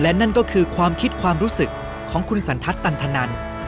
และนั่นก็คือความคิดความรู้สึกของคุณสัณธัตรตั้นทะนัน